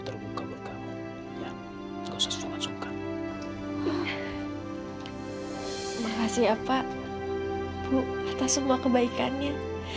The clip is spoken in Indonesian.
terima kasih apa bu atas semua kebaikannya